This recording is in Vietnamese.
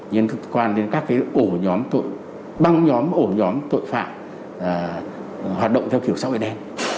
liên quan đến các cái ổ nhóm tội băng nhóm ổ nhóm tội phạm hoạt động theo kiểu sáu đen đen